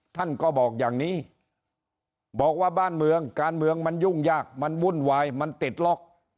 ท่านก็บอกอย่างนี้บอกว่าบ้านเมืองการเมืองมันยุ่งยากมันวุ่นวายมันติดล็อก